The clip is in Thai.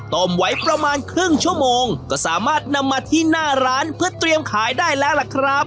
ต้มไว้ประมาณครึ่งชั่วโมงก็สามารถนำมาที่หน้าร้านเพื่อเตรียมขายได้แล้วล่ะครับ